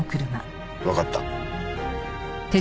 わかった。